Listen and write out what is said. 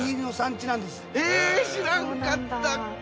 えっ知らんかった！